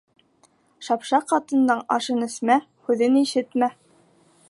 Шапшаҡ ҡатындың ашын эсмә, һүҙен ишетмә.